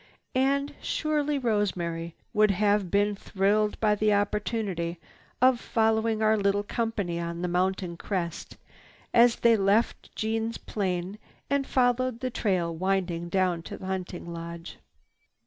And surely Rosemary would have been thrilled by the opportunity of following our little company on the mountain crest as they left Jeanne's plane and followed the trail winding down to the hunting lodge.